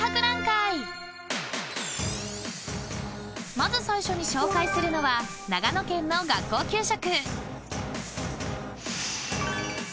［まず最初に紹介するのは長野県の学校給食］